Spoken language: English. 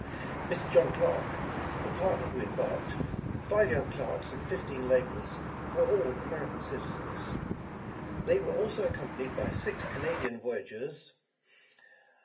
Mr. John Clark, the partner who embarked, five young clerks and fifteen laborers, were all American citizens. They were also accompanied by six Canadian voyageurs.